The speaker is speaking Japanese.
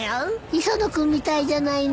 磯野君みたいじゃないの。